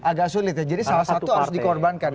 sulit sulit ya jadi salah satu harus dikorbankan ya